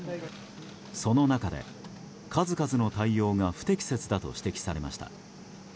その中で、数々の対応が不適切だと指摘されました。